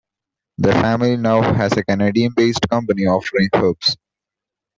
The family now has a Canadian-based company offering herbs.